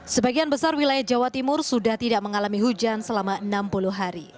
sebagian besar wilayah jawa timur sudah tidak mengalami hujan selama enam puluh hari